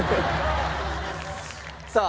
さあ。